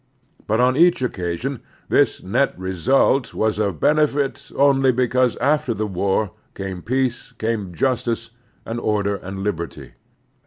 But on each occasion this net result was of benefit only because after the war came peace, came justice and order and liberty.